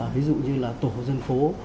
ví dụ như là tổ dân phố